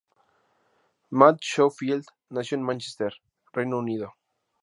Matt Schofield nació en Manchester, Reino Unido.